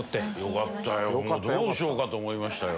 よかったよどうしようかと思いましたよ。